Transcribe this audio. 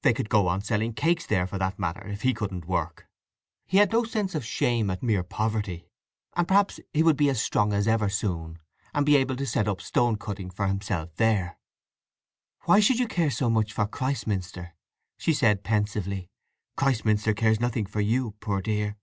They could go on selling cakes there, for that matter, if he couldn't work. He had no sense of shame at mere poverty; and perhaps he would be as strong as ever soon, and able to set up stone cutting for himself there. "Why should you care so much for Christminster?" she said pensively. "Christminster cares nothing for you, poor dear!"